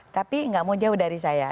tapi nggak mau jauh dari saya